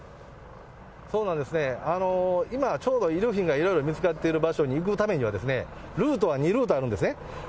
そうなんですね、今、ちょうど遺留品がいろいろ見つかっている場所に行くためには、ルートは２ルートあるんですね。